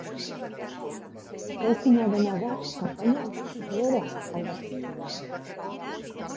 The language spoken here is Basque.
Ukaezina dena da kanpaina goitik behera aldatu duena.